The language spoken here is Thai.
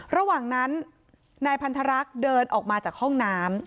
ระหว่างนั้นนายพันธรรักษ์เดินออกมาจากห้องน้ำ